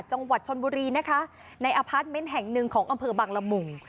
จังหวัดชนบุรีนะคะในอพาร์ทเมนต์แห่งหนึ่งของอำเภอบังละมุง